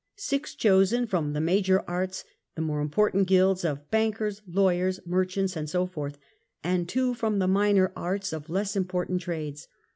Six chosen from the Major Arts, the more important guilds of bankers, lawyers, merchants and so forth, and two from the Minor Arts, of less important trades.